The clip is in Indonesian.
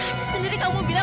tadi sendiri kamu bilang